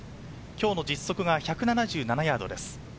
今日の実測が１７７ヤードです。